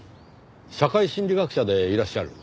社会心理学者でいらっしゃる？